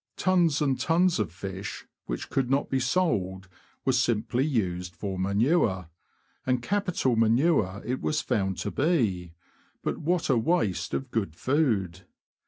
Tons and tons of fish, which could not be sold, were simply used for manure — and capital manure it was found to be ; but what a waste of good food